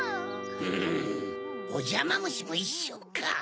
ふんおジャマむしもいっしょか。